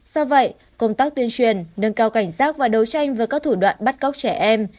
do vậy công tác tuyên truyền nâng cao cảnh giác và đấu tranh với các thủ đoạn bắt cóc trẻ em